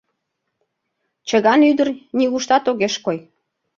Чыган ӱдыр нигуштат огеш кой.